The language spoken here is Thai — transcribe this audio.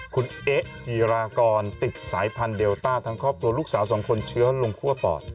คุณเอ๊ะจีรากรติดสายพันธุเดลต้าทั้งครอบครัวลูกสาวสองคนเชื้อลงคั่วปอด